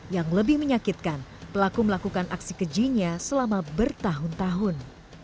yang lebih menyakitkan pelaku melakukan aksi kejinya selama bertahun tahun